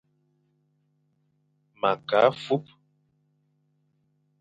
Ma ke afup.